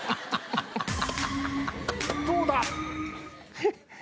どうだ